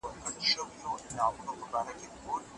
صادق اوسئ.